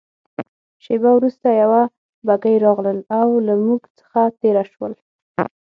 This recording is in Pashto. شېبه وروسته یوه بګۍ راغلل او له موږ څخه تېره شول.